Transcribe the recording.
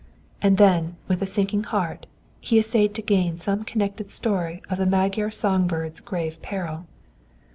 And then, with a sinking heart, he essayed to gain some connected story of the Magyar songbird's grave peril.